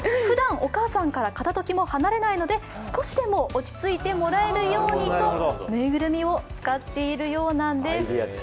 ふだんお母さんから片時も離れないので、少しでも落ち着いてもらえるようにと縫いぐるみを使っているようなんです。